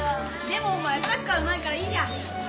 でもお前サッカーうまいからいいじゃん！